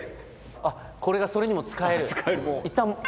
あっこれがそれにも使える？